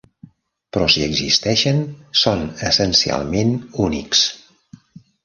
Però si existeixen, són essencialment únics.